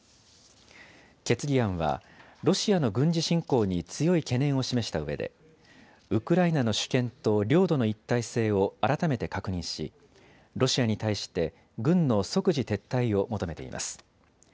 決議案はロシアの軍事侵攻に強い懸念を示したうえでウクライナの主権と領土の一体性を改めて確認し、ロシアに対して軍の即時撤退を求めています。